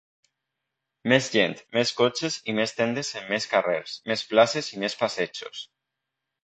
Més gent, més cotxes i més tendes en més carrers, més places i més passejos.